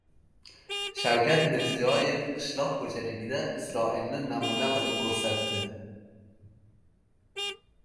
Shavkat Mirziyoyev qishloq xo‘jaligida Isroilni namuna qilib ko‘rsatdi